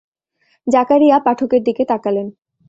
জাকারিয়া পাঠকের দিকে তাকালেন।